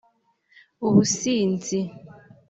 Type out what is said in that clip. ubusinzi